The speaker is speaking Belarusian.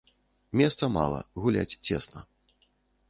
Месца мала, гуляць цесна.